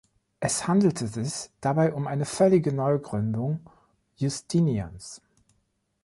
Es handelte sich dabei um eine völlige Neugründung Justinians.